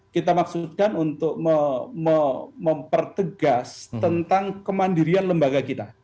kita maksudkan untuk mempertegas tentang kemandirian lembaga kita